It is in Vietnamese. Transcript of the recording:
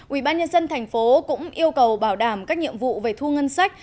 ủy ban nhân dân tp cũng yêu cầu bảo đảm các nhiệm vụ về thu ngân sách